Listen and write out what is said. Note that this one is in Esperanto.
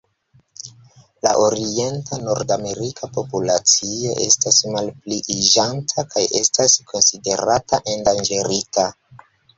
La orienta nordamerika populacio estas malpliiĝanta kaj estas konsiderata endanĝerita.